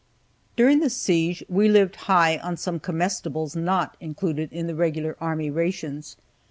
During the siege we lived high on some comestibles not included in the regular army rations.